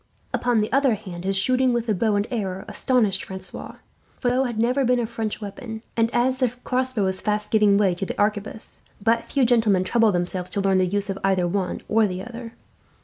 Upon the other hand, his shooting with the bow and arrow astonished Francois; for the bow had never been a French weapon, and the crossbow was fast giving way to the arquebus; but few gentlemen troubled themselves to learn the use of either one or the other.